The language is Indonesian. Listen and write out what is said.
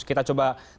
kita coba tampilkan